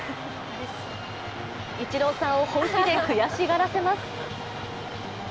イチローさんを本気で悔しがらせます。